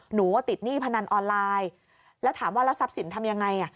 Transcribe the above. หนูว่าติดหนี้พนันออนไลน์แล้วถามว่าแล้วทรัพย์สินทำยังไง